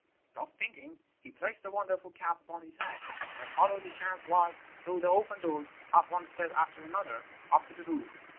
Thus thinking, he placed the wonderful cap upon his head, and followed the Chan's wife through the open doors, up one step after another, up to the roof.